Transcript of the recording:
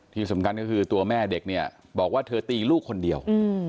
ที่สำคัญก็คือตัวแม่เด็กเนี่ยบอกว่าเธอตีลูกคนเดียว